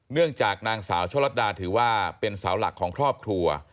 เนื่องจากนางสาวชะลัดดาถือว่าเป็นเสาหลักของครอบครัว